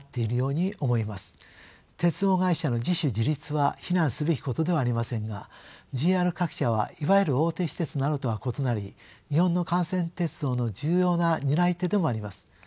鉄道会社の自主自立は非難すべきことではありませんがＪＲ各社はいわゆる大手私鉄などとは異なり日本の幹線鉄道の重要な担い手でもあります。